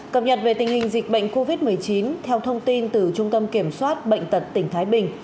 cập nhật về tình hình dịch bệnh covid một mươi chín theo thông tin từ trung tâm kiểm soát bệnh tật tỉnh thái bình